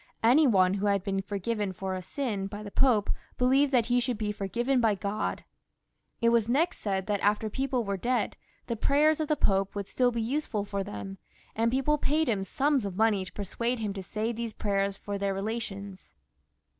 Any one who haJ^been ^ forgiven for a sin by the Pope believed that he should be forgiven by Grod. It was next said that after people were dead the prayers of the Pope were still useful for them, 'i ■• XXXIV.} FRANCIS L .241 4 ■• n ' and people paid him sums oi money to persuade him to say these prayers for their relations.